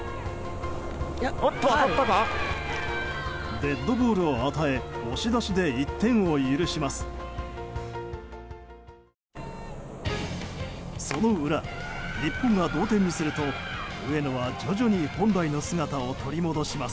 デッドボールを与え押し出しで１点を許します。